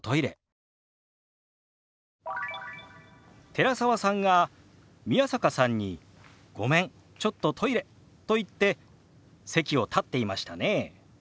寺澤さんが宮坂さんに「ごめんちょっとトイレ」と言って席を立っていましたね。